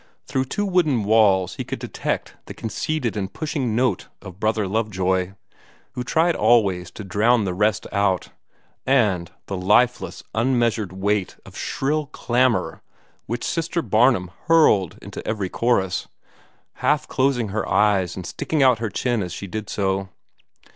Through two wooden walls he could detect the conceited and pushing note of Brother Lovejoy, who tried always to drown the rest out, and the lifeless, unmeasured weight of shrill clamor which Sister Barnum hurled into every chorus, half closing her eyes and sticking out her chin as she did so.